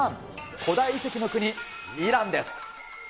古代遺跡の国、イランです。